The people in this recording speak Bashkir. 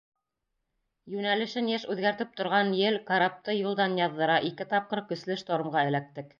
Йүнәлешен йыш үҙгәртеп торған ел карапты юлдан яҙҙыра, ике тапҡыр көслө штормға эләктек.